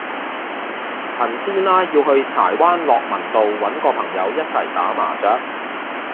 陳師奶要去柴灣樂民道搵個朋友一齊打麻雀